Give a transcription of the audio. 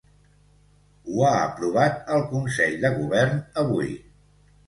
Ho ha aprovat el consell de govern avui.